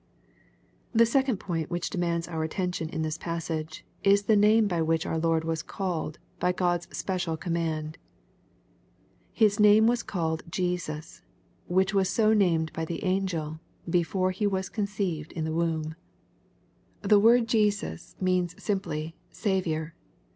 The second point which demands our attention in this passage, is the name by which our Lord was called^ hy God! 8 special command, " His name was called Jesus, which was so named by the angel, before He was con* ceived in the womb/* LUKE, CHAP. II. 63 The word Jesus means simply " Saviour."